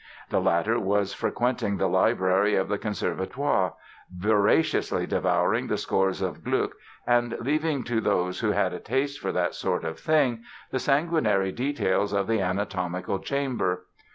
The latter was frequenting the library of the Conservatoire, voraciously devouring the scores of Gluck, and leaving to those who had a taste for that sort of thing the sanguinary details of the anatomical chamber.